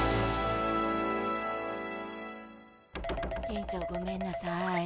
店長ごめんなさい。